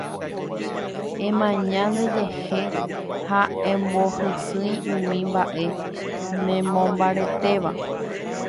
Emaña ndejehe ha embohysýi umi mba'e nemombaretéva